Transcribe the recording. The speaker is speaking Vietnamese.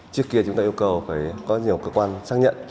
trước kia chúng ta yêu cầu phải có nhiều cơ quan xác nhận